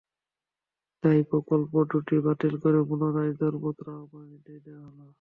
তাই প্রকল্প দুটি বাতিল করে পুনরায় দরপত্র আহ্বানের নির্দেশ দেওয়া হলো।